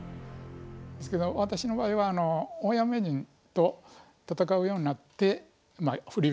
ですけど私の場合は大山名人と戦うようになって振り